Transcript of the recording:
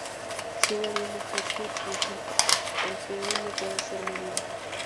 Sigue habiendo jaque aunque el peón no pueda ser movido.